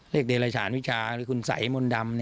เรียกเดลชาญวิชาคุณใสมนต์ดำ